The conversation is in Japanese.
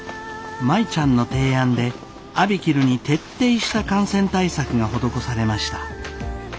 舞ちゃんの提案でＡＢＩＫＩＬＵに徹底した感染対策が施されました。